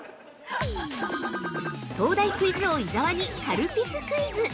◆東大クイズ王・伊沢にカルピスクイズ。